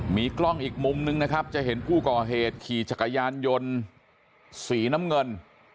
มีกล้องอีกมุมนึงนะครับจะเห็นผู้ก่อเหตุขี่จักรยานยนต์สีน้ำเงิน